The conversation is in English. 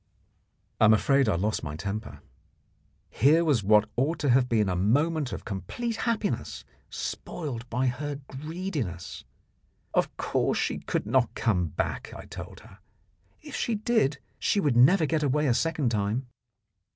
I am afraid I lost my temper. Here was what ought to have been a moment of complete happiness spoiled by her greediness. Of course she could not come back, I told her. If she did she would never get away a second time.